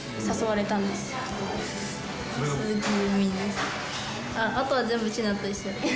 誘われたんですよ。